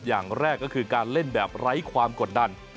อย่างแรกก็คือการเล่นแบบไร้ความกดดัน